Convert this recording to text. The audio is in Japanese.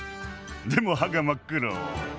でも歯が真っ黒。